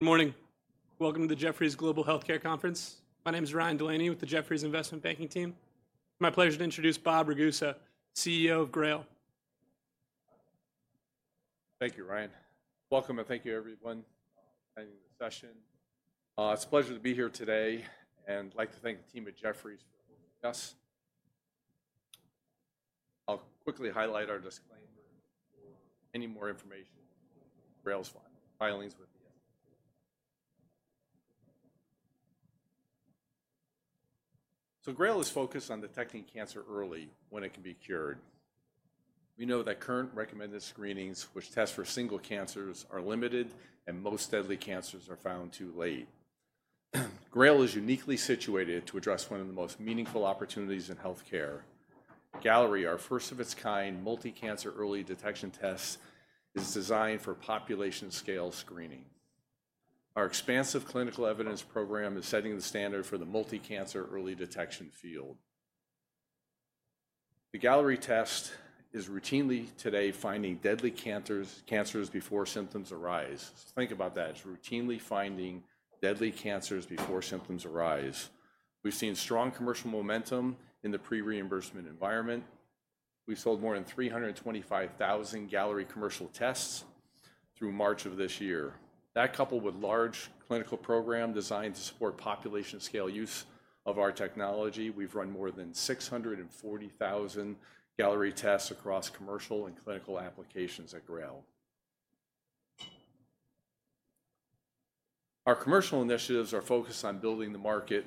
Good morning. Welcome to the Jefferies Global Healthcare Conference. My name is Ryan Delaney with the Jefferies Investment Banking Team. It's my pleasure to introduce Bob Ragusa, CEO of GRAIL. Thank you, Ryan. Welcome, and thank you, everyone, for attending the session. It's a pleasure to be here today, and I'd like to thank the team at Jefferies for joining us. I'll quickly highlight our disclaimer for any more information on GRAIL's filings with me. GRAIL is focused on detecting cancer early when it can be cured. We know that current recommended screenings, which test for single cancers, are limited, and most deadly cancers are found too late. GRAIL is uniquely situated to address one of the most meaningful opportunities in healthcare. Galleri, our first-of-its-kind multi-cancer early detection test, is designed for population-scale screening. Our expansive clinical evidence program is setting the standard for the multi-cancer early detection field. The Galleri test is routinely today finding deadly cancers before symptoms arise. Think about that. It's routinely finding deadly cancers before symptoms arise. We've seen strong commercial momentum in the pre-reimbursement environment. We've sold more than 325,000 Galleri commercial tests through March of this year. That coupled with a large clinical program designed to support population-scale use of our technology, we've run more than 640,000 Galleri tests across commercial and clinical applications at GRAIL. Our commercial initiatives are focused on building the market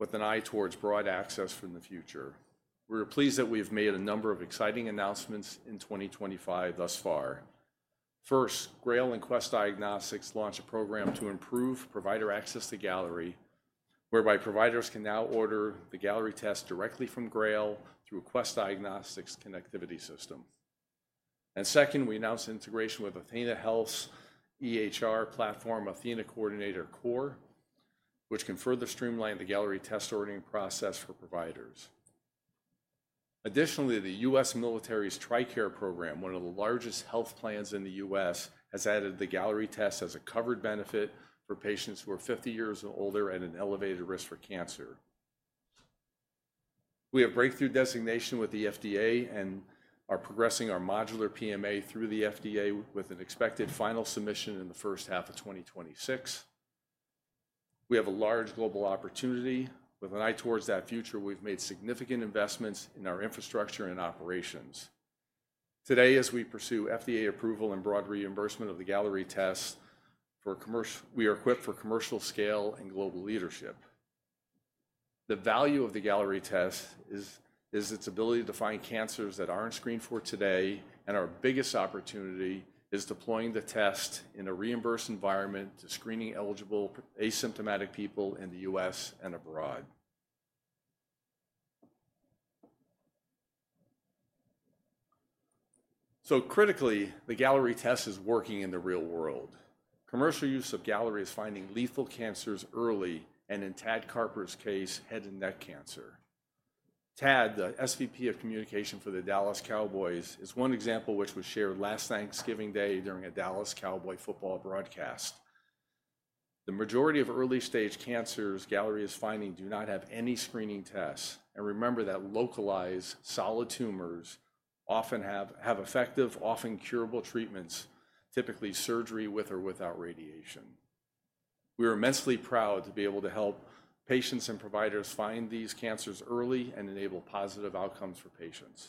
with an eye towards broad access from the future. We're pleased that we have made a number of exciting announcements in 2025 thus far. First, GRAIL and Quest Diagnostics launched a program to improve provider access to Galleri, whereby providers can now order the Galleri test directly from GRAIL through Quest Diagnostics' connectivity system. Second, we announced integration with athenahealth's EHR platform, athenaCoordinator Core, which can further streamline the Galleri test ordering process for providers. Additionally, the U.S. Military's TRICARE program, one of the largest health plans in the U.S., has added the Galleri test as a covered benefit for patients who are 50 years or older and at elevated risk for cancer. We have breakthrough designation with the FDA and are progressing our modular PMA through the FDA with an expected final submission in the first half of 2026. We have a large global opportunity. With an eye towards that future, we've made significant investments in our infrastructure and operations. Today, as we pursue FDA approval and broad reimbursement of the Galleri test, we are equipped for commercial-scale and global leadership. The value of the Galleri test is its ability to find cancers that aren't screened for today, and our biggest opportunity is deploying the test in a reimbursed environment to screening eligible asymptomatic people in the U.S. and abroad. Critically, the Galleri test is working in the real world. Commercial use of Galleri is finding lethal cancers early, and in Tad Carper's case, head and neck cancer. Tad, the SVP of Communication for the Dallas Cowboys, is one example which was shared last Thanksgiving Day during a Dallas Cowboys football broadcast. The majority of early-stage cancers Galleri is finding do not have any screening tests, and remember that localized solid tumors often have effective, often curable treatments, typically surgery with or without radiation. We are immensely proud to be able to help patients and providers find these cancers early and enable positive outcomes for patients.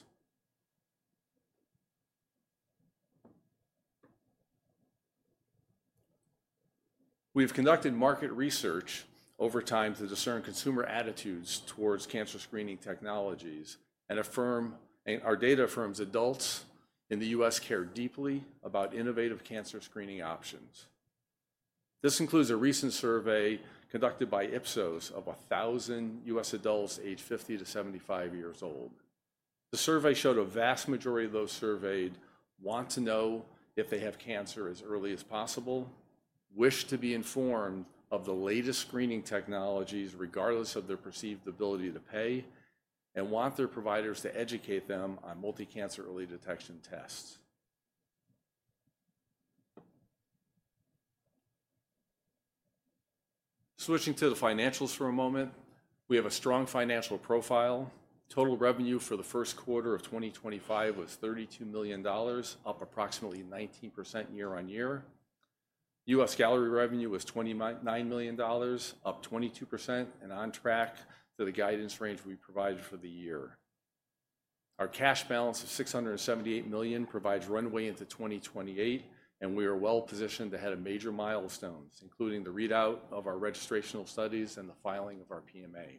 We have conducted market research over time to discern consumer attitudes towards cancer screening technologies, and our data affirms adults in the U.S. care deeply about innovative cancer screening options. This includes a recent survey conducted by Ipsos of 1,000 U.S. adults aged 50 to 75 years old. The survey showed a vast majority of those surveyed want to know if they have cancer as early as possible, wish to be informed of the latest screening technologies regardless of their perceived ability to pay, and want their providers to educate them on multi-cancer early detection tests. Switching to the financials for a moment, we have a strong financial profile. Total revenue for the first quarter of 2025 was $32 million, up approximately 19% year on year. U.S. Galleri revenue was $29 million, up 22%, and on track to the guidance range we provided for the year. Our cash balance of $678 million provides runway into 2028, and we are well-positioned to head a major milestone, including the readout of our registrational studies and the filing of our PMA.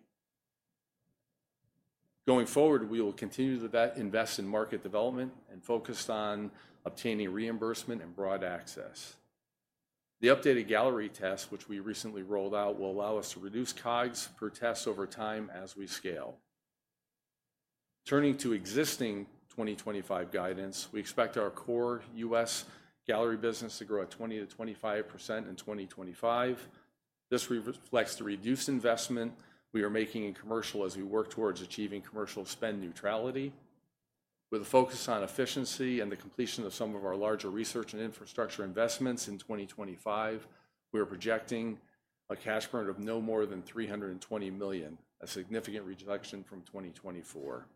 Going forward, we will continue to invest in market development and focus on obtaining reimbursement and broad access. The updated Galleri test, which we recently rolled out, will allow us to reduce cost of goods sold per test over time as we scale. Turning to existing 2025 guidance, we expect our core U.S. Galleri business to grow at 20%-25% in 2025. This reflects the reduced investment we are making in commercial as we work towards achieving commercial spend neutrality. With a focus on efficiency and the completion of some of our larger research and infrastructure investments in 2025, we are projecting a cash burn of no more than $320 million, a significant reduction from 2024.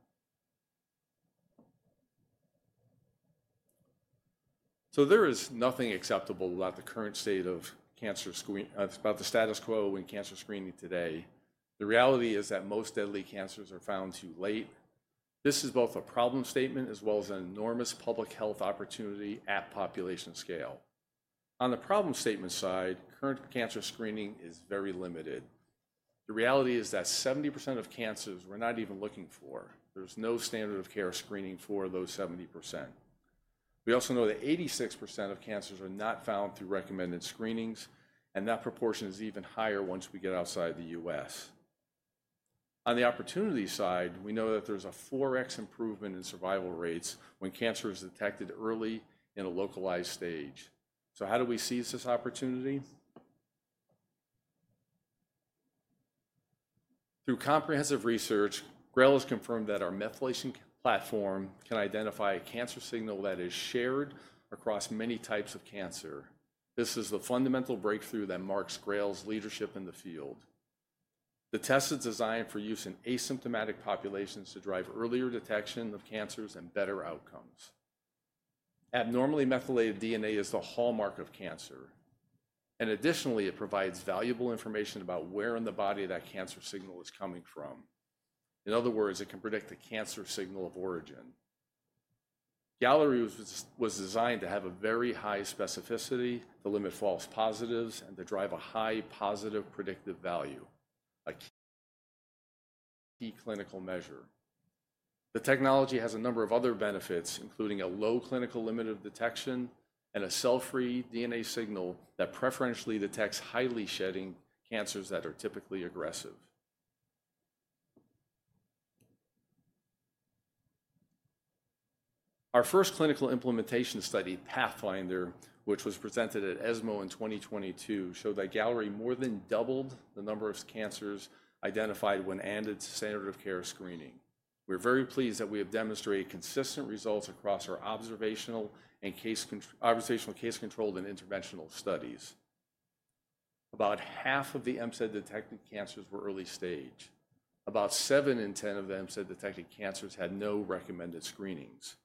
There is nothing acceptable about the current state of cancer screening, about the status quo in cancer screening today. The reality is that most deadly cancers are found too late. This is both a problem statement as well as an enormous public health opportunity at population scale. On the problem statement side, current cancer screening is very limited. The reality is that 70% of cancers we're not even looking for. There's no standard of care screening for those 70%. We also know that 86% of cancers are not found through recommended screenings, and that proportion is even higher once we get outside the U.S. On the opportunity side, we know that there's a 4x improvement in survival rates when cancer is detected early in a localized stage. How do we seize this opportunity? Through comprehensive research, GRAIL has confirmed that our methylation platform can identify a cancer signal that is shared across many types of cancer. This is the fundamental breakthrough that marks GRAIL's leadership in the field. The test is designed for use in asymptomatic populations to drive earlier detection of cancers and better outcomes. Abnormally methylated DNA is the hallmark of cancer. Additionally, it provides valuable information about where in the body that cancer signal is coming from. In other words, it can predict the cancer signal of origin. Galleri was designed to have a very high specificity to limit false positives and to drive a high positive predictive value, a key clinical measure. The technology has a number of other benefits, including a low clinical limit of detection and a cell-free DNA signal that preferentially detects highly shedding cancers that are typically aggressive. Our first clinical implementation study, PATHFINDER, which was presented at ESMO in 2022, showed that Galleri more than doubled the number of cancers identified when added to standard of care screening. We're very pleased that we have demonstrated consistent results across our observational and case-controlled and interventional studies. About half of the MCED-detected cancers were early stage. About 7 in 10 of the MCED-detected cancers had no recommended screenings.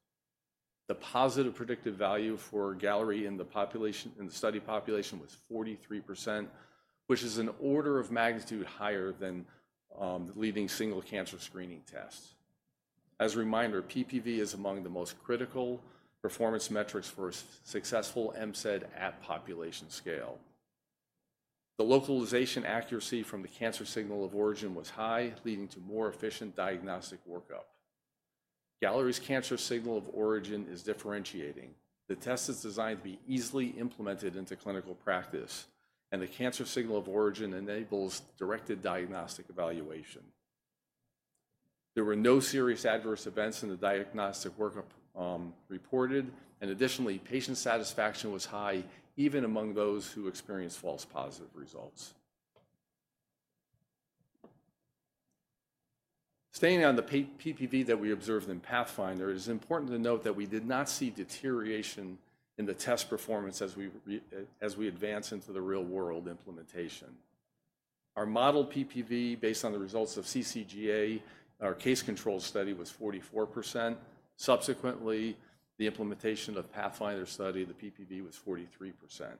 The positive predictive value for Galleri in the study population was 43%, which is an order of magnitude higher than the leading single cancer screening test. As a reminder, PPV is among the most critical performance metrics for a successful MCED at population scale. The localization accuracy from the cancer signal of origin was high, leading to more efficient diagnostic workup. Galleri's cancer signal of origin is differentiating. The test is designed to be easily implemented into clinical practice, and the cancer signal of origin enables directed diagnostic evaluation. There were no serious adverse events in the diagnostic workup reported, and additionally, patient satisfaction was high, even among those who experienced false positive results. Staying on the PPV that we observed in PATHFINDER, it is important to note that we did not see deterioration in the test performance as we advance into the real-world implementation. Our model PPV, based on the results of CCGA, our case-controlled study, was 44%. Subsequently, the implementation of PATHFINDER study, the PPV was 43%.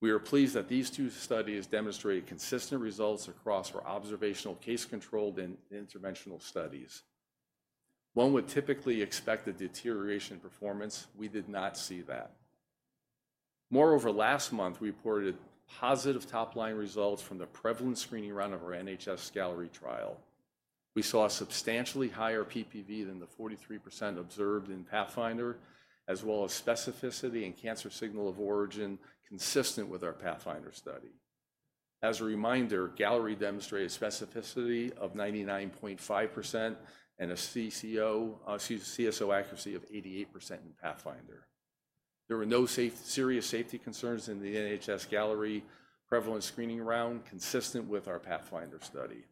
We are pleased that these two studies demonstrated consistent results across our observational, case-controlled, and interventional studies. One would typically expect a deterioration in performance. We did not see that. Moreover, last month, we reported positive top-line results from the prevalent screening round of our NHS-Galleri trial. We saw a substantially higher PPV than the 43% observed in PATHFINDER, as well as specificity and cancer signal of origin consistent with our PATHFINDER study. As a reminder, Galleri demonstrated a specificity of 99.5% and a CSO accuracy of 88% in PATHFINDER. There were no serious safety concerns in the NHS-Galleri prevalent screening round, consistent with our PATHFINDER study.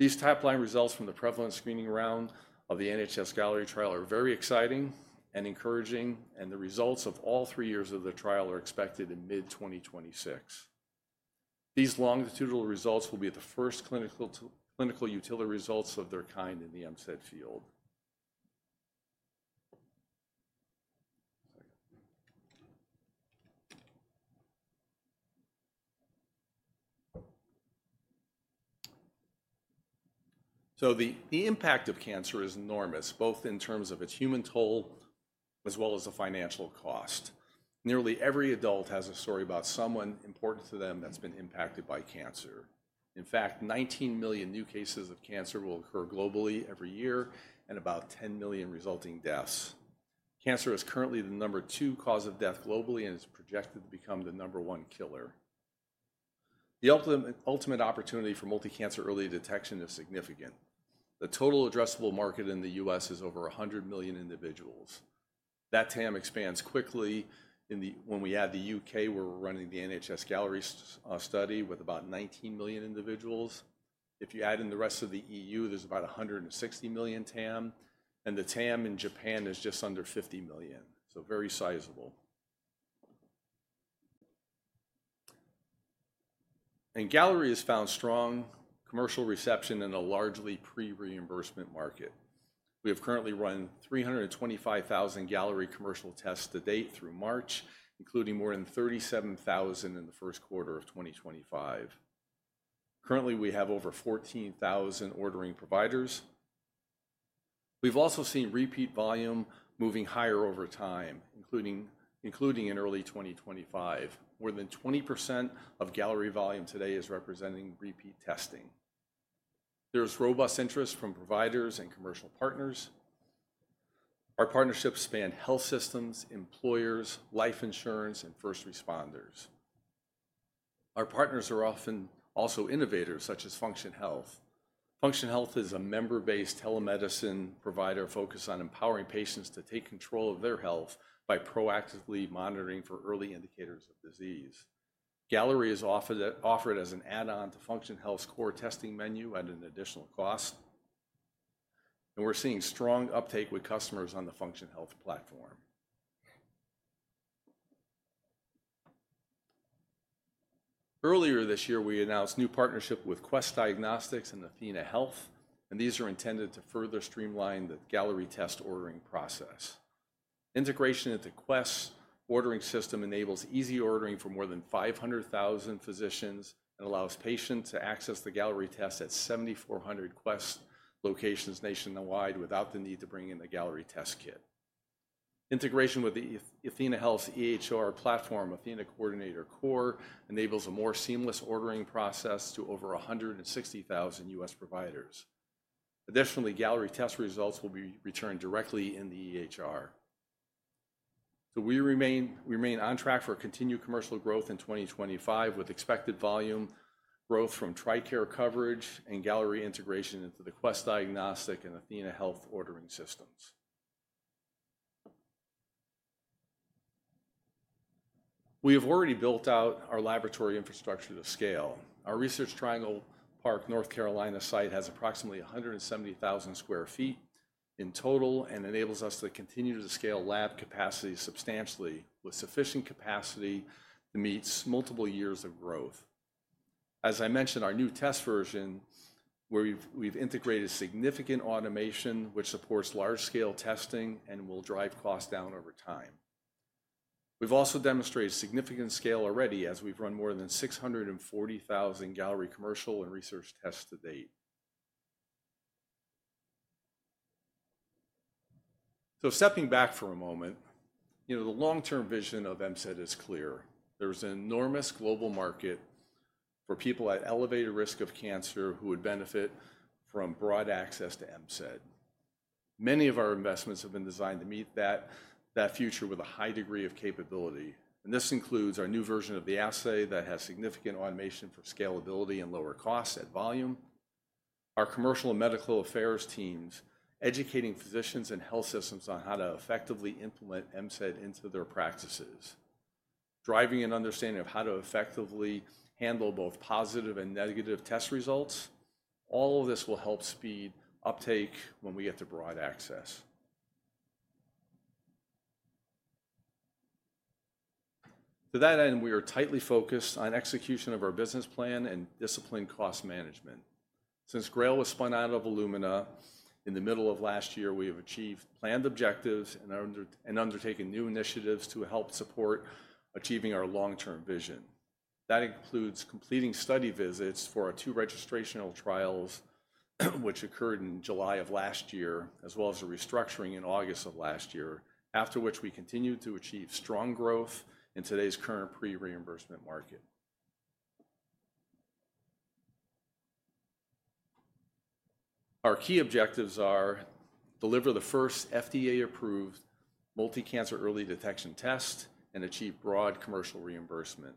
These top-line results from the prevalent screening round of the NHS-Galleri trial are very exciting and encouraging, and the results of all three years of the trial are expected in mid-2026. These longitudinal results will be the first clinical utility results of their kind in the MCED field. The impact of cancer is enormous, both in terms of its human toll as well as the financial cost. Nearly every adult has a story about someone important to them that's been impacted by cancer. In fact, 19 million new cases of cancer will occur globally every year and about 10 million resulting deaths. Cancer is currently the number two cause of death globally and is projected to become the number one killer. The ultimate opportunity for multi-cancer early detection is significant. The total addressable market in the U.S. is over 100 million individuals. That TAM expands quickly. When we add the U.K., we are running the NHS Galleri study with about 19 million individuals. If you add in the rest of the European Union, there is about 160 million TAM, and the TAM in Japan is just under 50 million. Very sizable. Galleri has found strong commercial reception in a largely pre-reimbursement market. We have currently run 325,000 Galleri commercial tests to date through March, including more than 37,000 in the first quarter of 2025. Currently, we have over 14,000 ordering providers. We've also seen repeat volume moving higher over time, including in early 2025. More than 20% of Galleri volume today is representing repeat testing. There's robust interest from providers and commercial partners. Our partnerships span health systems, employers, life insurance, and first responders. Our partners are often also innovators, such as Function Health. Function Health is a member-based telemedicine provider focused on empowering patients to take control of their health by proactively monitoring for early indicators of disease. Galleri is offered as an add-on to Function Health's core testing menu at an additional cost. We're seeing strong uptake with customers on the Function Health platform. Earlier this year, we announced a new partnership with Quest Diagnostics and athenahealth, and these are intended to further streamline the Galleri test ordering process. Integration into Quest's ordering system enables easy ordering for more than 500,000 physicians and allows patients to access the Galleri test at 7,400 Quest locations nationwide without the need to bring in the Galleri test kit. Integration with athenahealth's EHR platform, athenaCoordinator Core, enables a more seamless ordering process to over 160,000 U.S. providers. Additionally, Galleri test results will be returned directly in the EHR. We remain on track for continued commercial growth in 2025, with expected volume growth from TRICARE coverage and Galleri integration into the Quest Diagnostics and athenahealth ordering systems. We have already built out our laboratory infrastructure to scale. Our Research Triangle Park, North Carolina site has approximately 170,000 sq ft in total and enables us to continue to scale lab capacity substantially with sufficient capacity to meet multiple years of growth. As I mentioned, our new test version, where we've integrated significant automation, which supports large-scale testing and will drive costs down over time. We've also demonstrated significant scale already as we've run more than 640,000 Galleri commercial and research tests to date. Stepping back for a moment, you know, the long-term vision of MCED is clear. There's an enormous global market for people at elevated risk of cancer who would benefit from broad access to MCED. Many of our investments have been designed to meet that future with a high degree of capability. This includes our new version of the assay that has significant automation for scalability and lower costs at volume, our commercial and medical affairs teams educating physicians and health systems on how to effectively implement MCED into their practices, driving an understanding of how to effectively handle both positive and negative test results. All of this will help speed uptake when we get to broad access. To that end, we are tightly focused on execution of our business plan and disciplined cost management. Since GRAIL was spun out of Illumina in the middle of last year, we have achieved planned objectives and undertaken new initiatives to help support achieving our long-term vision. That includes completing study visits for our two registrational trials, which occurred in July of last year, as well as a restructuring in August of last year, after which we continued to achieve strong growth in today's current pre-reimbursement market. Our key objectives are to deliver the first FDA-approved multi-cancer early detection test and achieve broad commercial reimbursement.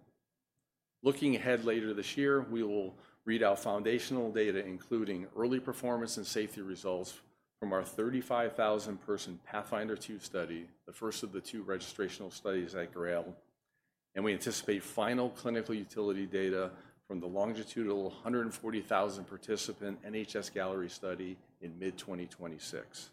Looking ahead later this year, we will read out foundational data, including early performance and safety results from our 35,000-person PATHFINDER 2 study, the first of the two registrational studies at GRAIL. We anticipate final clinical utility data from the longitudinal 140,000-participant NHS Galleri study in mid-2026.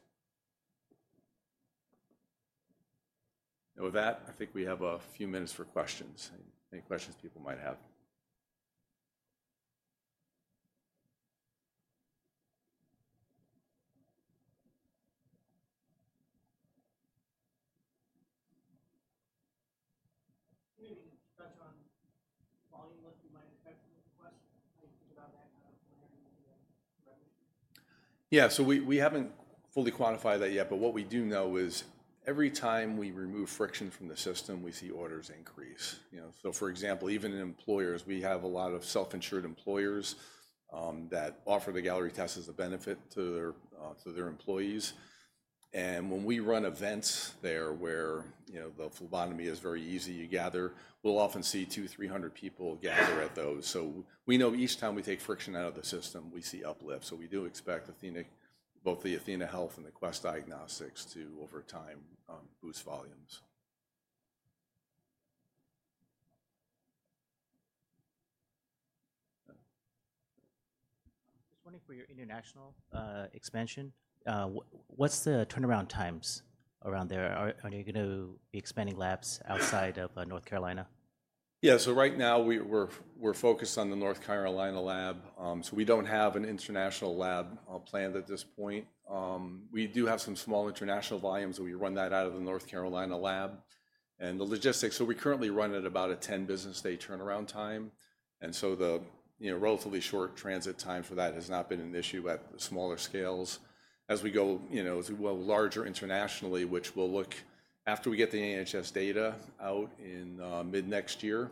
With that, I think we have a few minutes for questions. Any questions people might have? Maybe touch on volume outlook you might expect from Quest. How do you think about that kind of? Yeah, we have not fully quantified that yet, but what we do know is every time we remove friction from the system, we see orders increase. You know, for example, even in employers, we have a lot of self-insured employers that offer the Galleri test as a benefit to their employees. When we run events there where, you know, the phlebotomy is very easy to gather, we will often see 200-300 people gather at those. We know each time we take friction out of the system, we see uplift. So we do expect both Athenahealth and Quest Diagnostics to, over time, boost volumes. Just wondering for your international expansion. What's the turnaround times around there? Are you going to be expanding labs outside of North Carolina? Yeah, so right now, we're focused on the North Carolina lab. We don't have an international lab planned at this point. We do have some small international volumes, and we run that out of the North Carolina lab. The logistics, we currently run at about a 10-business-day turnaround time. The, you know, relatively short transit time for that has not been an issue at the smaller scales. As we go, you know, as we go larger internationally, which will look after we get the NHS data out in mid-next year,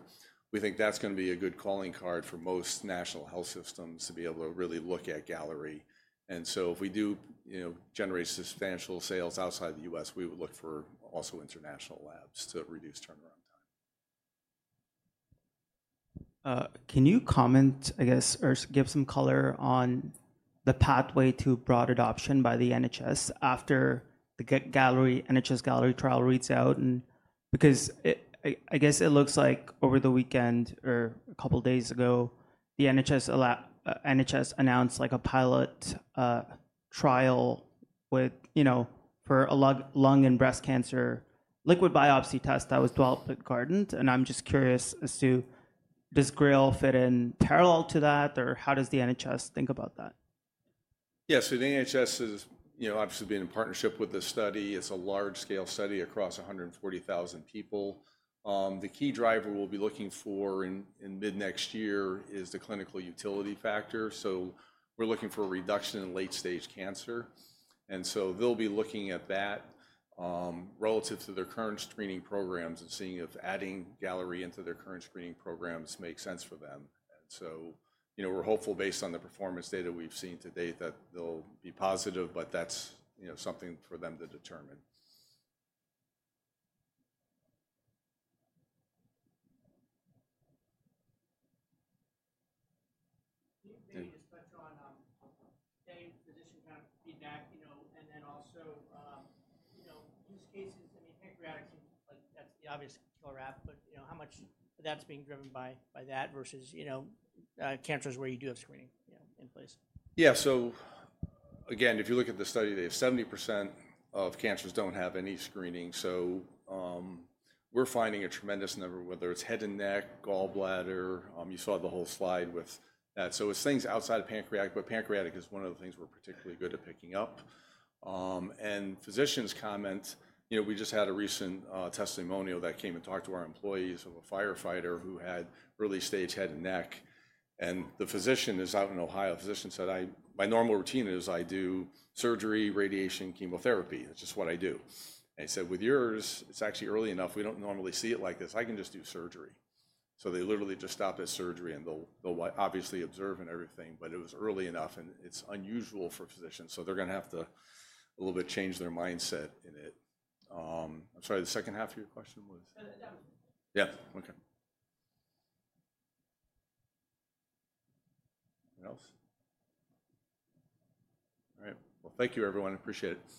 we think that's going to be a good calling card for most national health systems to be able to really look at Galleri. If we do, you know, generate substantial sales outside the U.S., we would look for also international labs to reduce turnaround time. Can you comment, I guess, or give some color on the pathway to broad adoption by the NHS after the NHS Galleri trial reads out? I guess it looks like over the weekend or a couple of days ago, the NHS announced like a pilot trial with, you know, for a lung and breast cancer liquid biopsy test that was developed at Guardant. I'm just curious, does GRAIL fit in parallel to that, or how does the NHS think about that? Yeah, so the NHS is, you know, obviously being in partnership with this study. It's a large-scale study across 140,000 people. The key driver we'll be looking for in mid-next year is the clinical utility factor. We're looking for a reduction in late-stage cancer. They'll be looking at that relative to their current screening programs and seeing if adding Galleri into their current screening programs makes sense for them. You know, we're hopeful based on the performance data we've seen to date that they'll be positive, but that's, you know, something for them to determine. Maybe just touch on any physician kind of feedback, you know, and then also, you know, use cases. I mean, pancreatic seems like that's the obvious killer app, but you know, how much that's being driven by that versus, you know, cancers where you do have screening, you know, in place? Yeah, so again, if you look at the study, they have 70% of cancers that do not have any screening. We are finding a tremendous number, whether it is head and neck, gallbladder. You saw the whole slide with that. It is things outside of pancreatic, but pancreatic is one of the things we are particularly good at picking up. Physicians comment, you know, we just had a recent testimonial that came and talked to our employees of a firefighter who had early-stage head and neck. The physician is out in Ohio. The physician said, "My normal routine is I do surgery, radiation, chemotherapy. That is just what I do." He said, "With yours, it is actually early enough. We do not normally see it like this. I can just do surgery." They literally just stop at surgery, and they'll obviously observe and everything, but it was early enough, and it's unusual for physicians. They're going to have to a little bit change their mindset in it. I'm sorry, the second half of your question was? Yeah, okay. What else? All right. Thank you, everyone. Appreciate it.